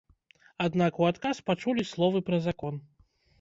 Аднак у адказ пачулі словы пра закон.